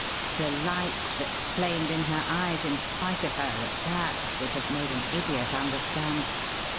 The light that flamed in her eyes in spite of her at that would have made an idiot understand.